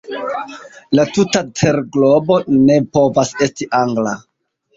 La tuta terglobo ne povas esti Angla.